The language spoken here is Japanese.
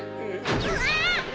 うわっ！